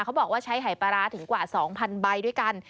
บอกว่าใช้หายปลาร้าถึงกว่า๒๐๐ใบด้วยกัน